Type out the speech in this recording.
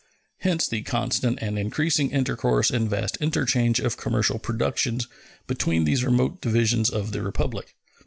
Hence the constant and increasing intercourse and vast interchange of commercial productions between these remote divisions of the Republic.